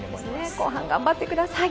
後半、頑張ってください。